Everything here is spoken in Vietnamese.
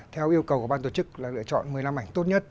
theo yêu cầu của ban tổ chức là lựa chọn một mươi năm ảnh tốt nhất